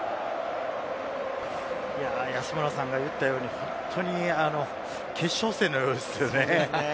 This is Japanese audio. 安村さんが言ったように決勝戦のようですよね。